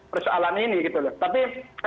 persoalan ini tapi